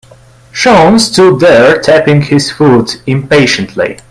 Sean stood there tapping his foot impatiently.